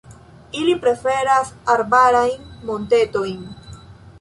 Ili preferas arbarajn montetojn.